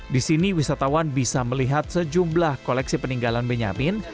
di sini wisatawan bisa melihat sejumlah koleksi peninggalan benyamin